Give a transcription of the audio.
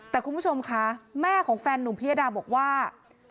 แต่คุณผู้ชมคะแม่ของแฟนหนุ่มพิยดาบอกว่า